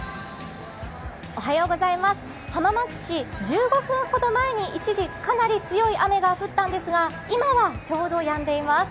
浜松市、１５分ほど前に一時かなり強い雨が降ったんですが今はちょうどやんでいます。